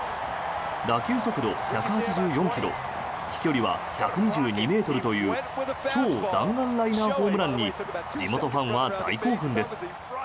打球速度１８４ｋｍ飛距離は１２２ｍという超弾丸ライナーホームランに地元ファンは大興奮です。